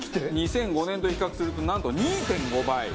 ２００５年と比較するとなんと２．５倍。